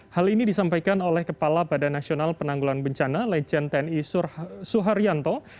hal ini disampaikan oleh kepala badan nasional penanggulan bencana legend tni suharyanto